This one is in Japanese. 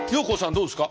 どうですか？